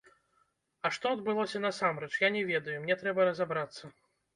А што адбылося насамрэч, я не ведаю, мне трэба разабрацца.